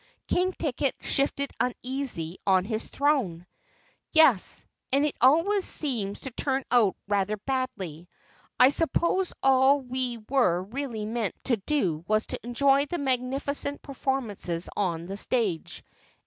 King Ticket shifted uneasily on his throne. "Yes, and it always seems to turn out rather badly. I suppose all we were really meant to do was to enjoy the magnificent performances on the stage.